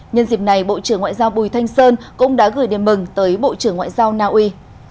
nhân dịp này bộ trưởng ngoại giao bùi thanh sơn cũng đã gửi điện mừng tới bộ trưởng ngoại giao naui